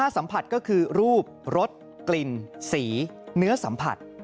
สัมผัสก็คือรูปรสกลิ่นสีเนื้อสัมผัส